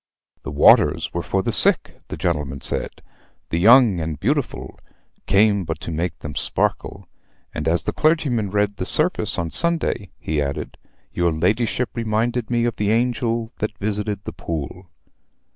"'The waters were for the sick,' the gentleman said: 'the young and beautiful came but to make them sparkle. And as the clergyman read the service on Sunday,' he added, 'your ladyship reminded me of the angel that visited the pool.'